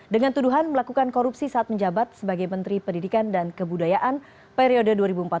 dengan tuduhan melakukan korupsi saat menjabat sebagai menteri pendidikan dan kebudayaan periode dua ribu empat belas dua ribu